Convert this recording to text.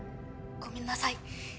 ごめんなさい。